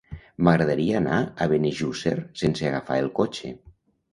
M'agradaria anar a Benejússer sense agafar el cotxe.